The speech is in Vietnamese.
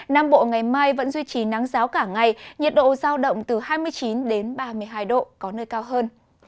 nam bộ ngày mai vẫn duy trì nắng giáo cả ngày nhiệt độ giao động từ hai mươi chín đến ba mươi hai độ có nơi cao hơn